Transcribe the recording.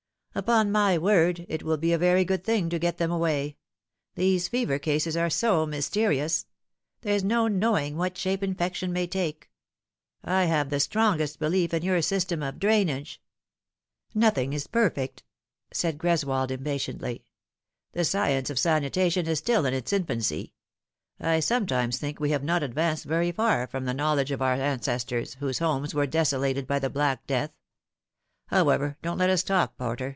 " Upon my word, it will be a very good thing to get them away. These fever cases are so mysterious. There's no knowing what shape infection may take. I have the strongest belief in jour system of drainage "" Nothing is perfect," said Greswold impatiently. " The science of sanitation is still in its infancy. I sometimes think we have not advanced very far from the knowledge of our ancestors, whose homes were desolated by the Black Death. However, don't let us talk, Porter.